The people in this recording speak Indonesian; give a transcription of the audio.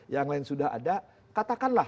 yang lain sudah ada katakanlah